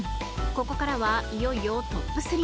ここからは、いよいよトップ３。